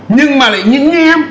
nhưng mà lại những em